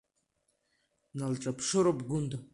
Дналҿаԥшыроуп Гәында…